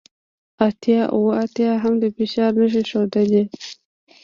اتیا اوه اتیا هم د فشار نښې ښودلې